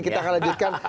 kita akan lanjutkan